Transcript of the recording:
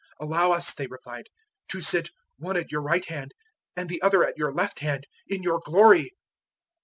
010:037 "Allow us," they replied, "to sit one at your right hand and the other at your left hand, in your glory."